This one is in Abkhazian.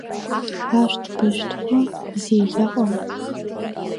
Ашәҭ-бышәҭқәа зеиӷьаҟам!